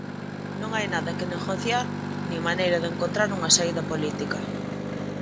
Non hai nada que negociar nin maneira de encontrar unha saída política.